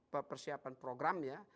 persiapan program ya